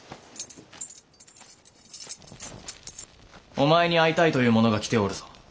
お前に会いたいという者が来ておるぞ。